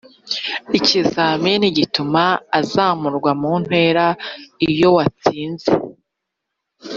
ikizamini gituma azamurwa mu ntera iyowatsinze.